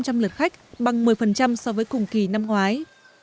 công viên nước hồ tây đã đón năm trăm linh lượt khách bằng một mươi so với cùng kỳ năm ngoái